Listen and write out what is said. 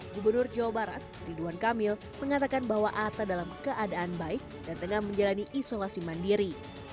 gubernur jawa barat ridwan kamil mengatakan bahwa ata dalam keadaan baik dan tengah menjalani isolasi mandiri